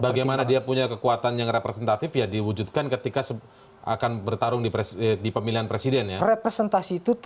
bagaimana dia punya kekuatan yang representatif ya diwujudkan ketika akan bertarung di pemilihan presiden ya